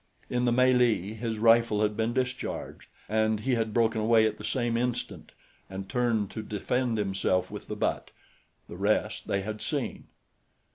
In the melee his rifle had been discharged and he had broken away at the same instant and turned to defend himself with the butt. The rest they had seen.